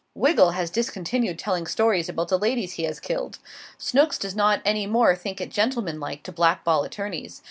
Wiggle has discontinued telling stories about the ladies he has killed. Snooks does not any more think it gentlemanlike to blackball attorneys.